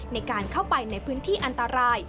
ในการเข้าไปในพื้นที่อันตราย